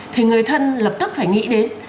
thì người thân lập tức phải nghĩ đến